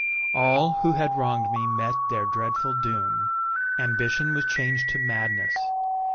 All who had wronged me met their dreadful doom. Ambition was changed to madness.